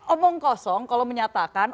omong kosong kalau menyatakan